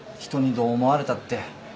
人にどう思われたって。